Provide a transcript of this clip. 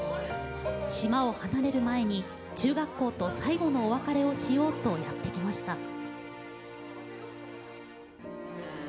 島を離れる前に中学校と最後のお別れをしようとやって来ました。